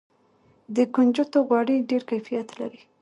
د کنجدو غوړي ډیر کیفیت لري.